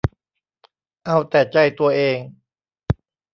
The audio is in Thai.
เอาแต่ใจตัวเอง